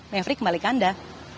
mevri kembali ke anda